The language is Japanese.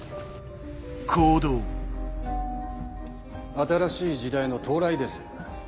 新しい時代の到来です。